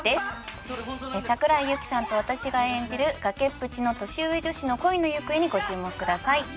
桜井ユキさんと私が演じる崖っぷちの年上女子の恋の行方にご注目ください。